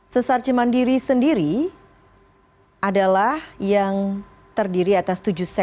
sesar cimandiri sendiri adalah yang terdiri atas tujuh seri